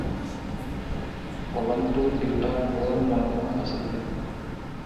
কলমটো দেউতাৰ বৰ মৰমৰ আছিলে।